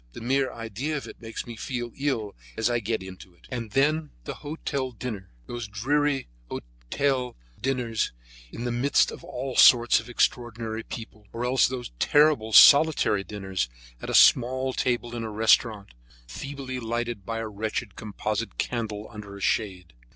The mere idea of it makes me feel ill as I get into it. And then the hotel dinners—those dreary table d'hote dinners in the midst of all sorts of extraordinary people, or else those terrible solitary dinners at a small table in a restaurant, feebly lighted by a wretched composite candle under a shade.